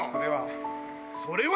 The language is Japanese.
それは。